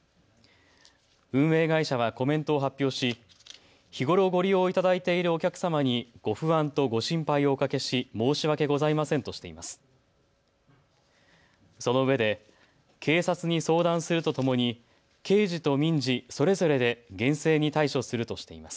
運営会社はコメントを発表し日頃ご利用いただいているお客様にご不安とご心配をおかけし申し訳ございませんとしています。